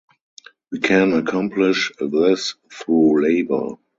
We can accomplish this through labor.